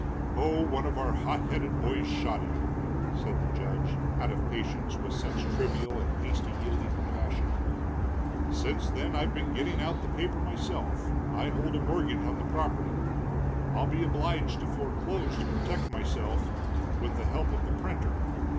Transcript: "Oh, one of our hot headed boys shot him," said the judge, out of patience with such trivial and hasty yielding to passion. "Since then I've been getting out the paper myself I hold a mortgage on the property, I'll be obliged to foreclose to protect myself with the help of the printer.